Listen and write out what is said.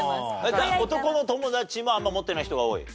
じゃあ男の友達もあんま持ってない人が多い？